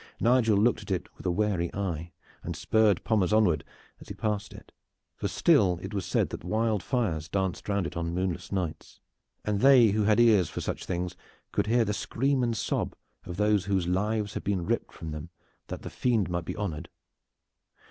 Nigel looked at it with a wary eye and spurred Pommers onward as he passed it, for still it was said that wild fires danced round it on the moonless nights, and they who had ears for such things could hear the scream and sob of those whose lives had been ripped from them that the fiend might be honored.